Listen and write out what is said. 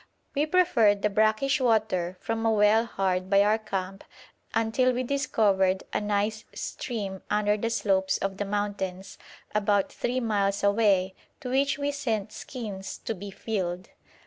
We preferred the brackish water from a well hard by our camp until we discovered a nice stream under the slopes of the mountains, about three miles away, to which we sent skins to be filled.